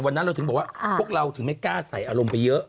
เราถึงบอกว่าพวกเราถึงไม่กล้าใส่อารมณ์ไปเยอะ